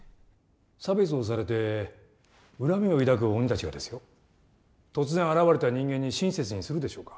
差別をされて恨みを抱く鬼たちがですよ突然現れた人間に親切にするでしょうか。